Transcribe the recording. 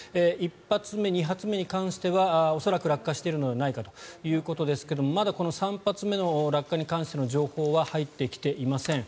１発目、２発目に関しては恐らく落下しているのではないかということですがまだこの３発目の落下に関しての情報は入ってきていません。